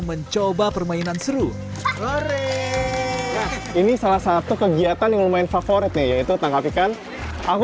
mencoba permainan seru ini salah satu kegiatan yang lumayan favoritnya yaitu tangkap ikan aku